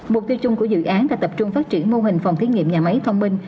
mục tiêu chung của dự án là tập trung phát triển mô hình phòng thiết nghiệm nhà máy thông minh